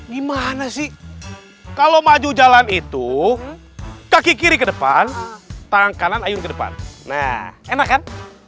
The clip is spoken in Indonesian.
gimana sih kalau maju jalan itu kaki kiri ke depan tangan kanan ayun ke depan nah enak kan